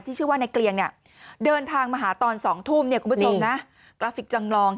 ชื่อว่าในเกลียงเดินทางมาหาตอน๒ทุ่มคุณผู้ชมนะกราฟิกจำลอง